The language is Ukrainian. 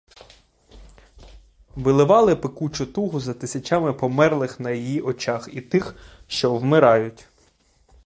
Виливала пекучу тугу за тисячами померлих на її очах і тих, що вмирають.